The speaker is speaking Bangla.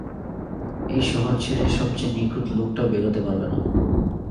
এই শহর ছেড়ে সবচে নিখুঁত লোকটাও বের হতে পারবে না।